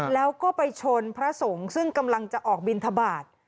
แล้วก็ไปชนพระสงฆ์ซึ่งกำลังจะออกบินทบาท